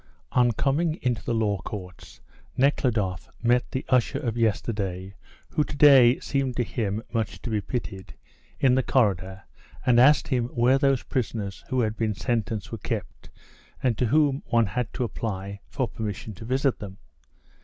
On coming into the Law Courts Nekhludoff met the usher of yesterday, who to day seemed to him much to be pitied, in the corridor, and asked him where those prisoners who had been sentenced were kept, and to whom one had to apply for permission to visit them.